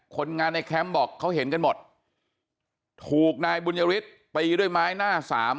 คนงานในแคมป์บอกเขาเห็นกันหมดถูกนายบุญยฤทธิ์ตีด้วยไม้หน้าสาม